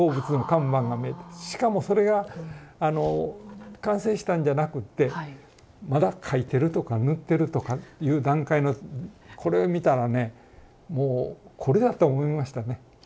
しかもそれが完成したんじゃなくってまだ描いてるとか塗ってるとかいう段階のこれを見たらねもう「これだ！」と思いましたね。